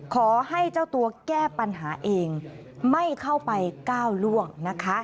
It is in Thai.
ขอให้เจ้าตัวแก้ปัญหาเองไม่เข้าไปก้าวล่วงนะคะ